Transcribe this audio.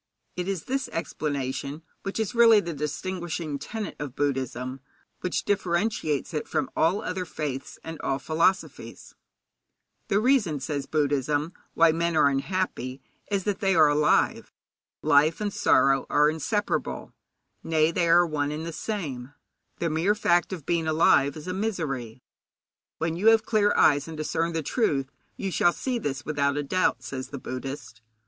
It is this explanation which is really the distinguishing tenet of Buddhism, which differentiates it from all other faiths and all philosophies. The reason, says Buddhism, why men are unhappy is that they are alive. Life and sorrow are inseparable nay, they are one and the same thing. The mere fact of being alive is a misery. When you have clear eyes and discern the truth, you shall see this without a doubt, says the Buddhist.